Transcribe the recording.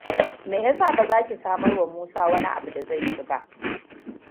Me ya sa ba za ki samarwa Musa wani abu da zai ci ba?